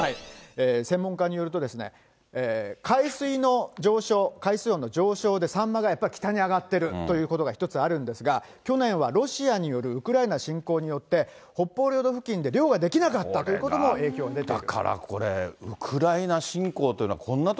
専門家によると、海水の上昇、海水温の上昇で、サンマがやっぱり北に上がってるということが一つあるんですが、去年はロシアによるウクライナ侵攻によって、北方領土付近で漁ができなかったということも影響出ていると。